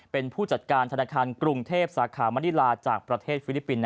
เป็นผู้จัดการธนาคารกรุงเทพสาขามณิลาจากประเทศฟิลิปปินส